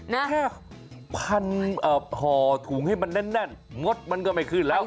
แค่พันห่อถุงให้มันแน่นงดมันก็ไม่ขึ้นแล้ว